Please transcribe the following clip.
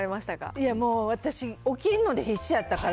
いやもう、私起きるので必死やったから。